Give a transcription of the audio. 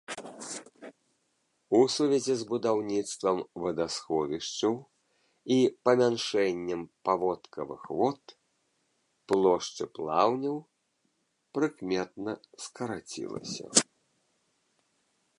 У сувязі з будаўніцтвам вадасховішчаў і памяншэннем паводкавых вод плошчы плаўняў прыкметна скарацілася.